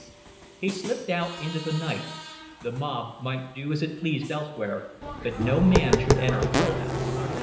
He slipped out into the night. The mob might do as it pleased elsewhere, but no man should enter her house.